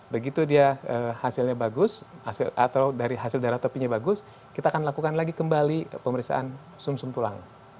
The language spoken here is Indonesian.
begitu dia hasilnya bagus atau dari hasil darah tepinya bagus kita akan lakukan lagi kembali pemeriksaan sum sum tulang